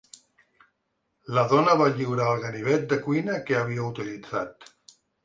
La dona va lliurar el ganivet de cuina que havia utilitzat.